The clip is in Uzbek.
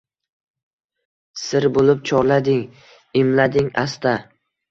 Sir bo‘lib chorlading, imlading asta